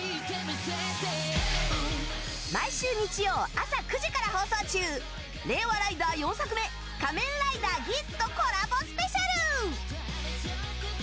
毎週日曜、朝９時から放送中令和ライダー４作目「仮面ライダーギーツ」とコラボスペシャル！